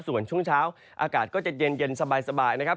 ส่วนช่วงเช้าอากาศก็จะเย็นสบายนะครับ